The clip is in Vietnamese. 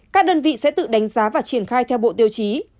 các đơn vị sẽ tự đánh giá và triển khai theo bộ tiêu chí